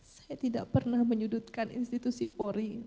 saya tidak pernah menyudutkan institusi polri